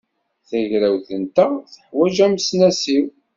Tagrawt-nteɣ teḥwaj amesnasiw.